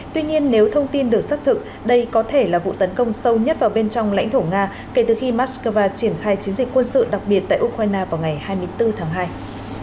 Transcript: tuy nhiên nếu thông tin được xác thực đây có thể là vụ tấn công sâu nhất vào bên trong lãnh thổ nga kể từ khi moscow triển khai chiến dịch quân sự đặc biệt tại ukraine vào ngày hai mươi bốn tháng hai